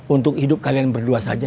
untuk hidup kalian berdua saja